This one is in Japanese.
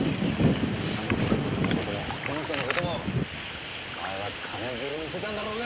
稲盛絵美子さんの事もこの人の事もお前は金づるにしてたんだろうが！